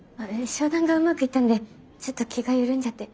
商談がうまくいったんでちょっと気が緩んじゃって。